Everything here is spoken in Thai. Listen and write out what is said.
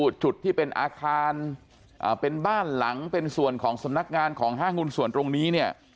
จุดที่เป็นอาคารเป็นบ้านหลังเป็นส่วนของสำนักงานของห้างหุ้นส่วนตรงนี้เนี่ย